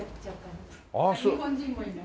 日本人もいます。